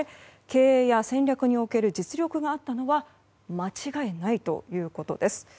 経営や戦略における実力があったのは間違いないということです。